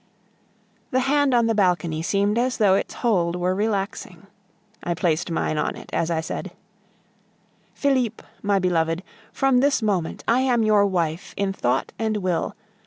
The hand on the balcony seemed as though its hold were relaxing. I placed mine on it as I said: "Felipe, my beloved, from this moment I am your wife in thought and will.